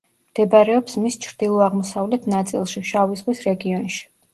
მდებარეობს მის ჩრდილო-აღმოსავლეთ ნაწილში, შავი ზღვის რეგიონში.